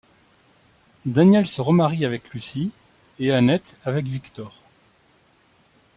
Daniel se remarie avec Lucie et Annette avec Victor.